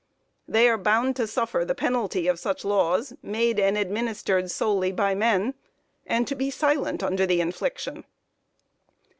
They are bound to suffer the penalty of such laws, made and administered solely by men, and to be silent under the infliction.